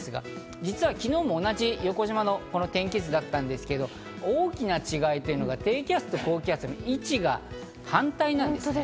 実は昨日も同じ横縞の天気図だったんですけど、大きな違いというのが低気圧と高気圧の位置が反対になるんです。